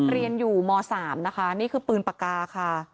เรียนอยู่ม๓นะคะนี่คือปืนปากกาค่ะ